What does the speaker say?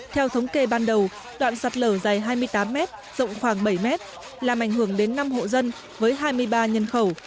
theo thống kê ban đầu đoạn sạt lở dài hai mươi tám m rộng khoảng bảy mét làm ảnh hưởng đến năm hộ dân với hai mươi ba nhân khẩu